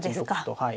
はい。